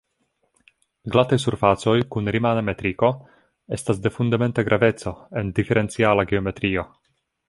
Glataj surfacoj kun rimana metriko estas de fundamenta graveco en diferenciala geometrio.